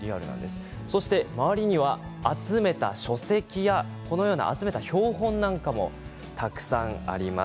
周りには集めた書籍や集めた標本なんかもたくさんあります。